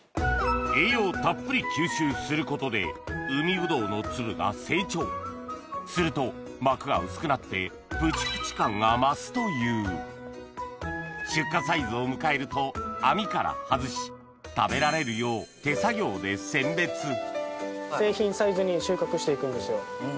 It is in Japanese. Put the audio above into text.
栄養をたっぷり吸収することで海ぶどうの粒が成長すると膜が薄くなってという出荷サイズを迎えると網から外し食べられるよう手作業で選別製品サイズに収穫していくんですよ。